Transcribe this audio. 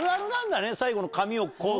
最後の紙をこう。